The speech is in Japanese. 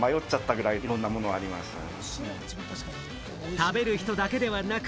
食べる人だけではなく、